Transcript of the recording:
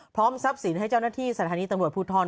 ทรัพย์สินให้เจ้าหน้าที่สถานีตำรวจภูทร